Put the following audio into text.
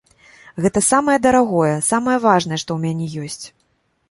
Гэта самае дарагое, самае важнае, што ў мяне ёсць.